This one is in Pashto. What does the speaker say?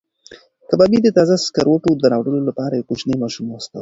کبابي د تازه سکروټو د راوړلو لپاره یو کوچنی ماشوم واستاوه.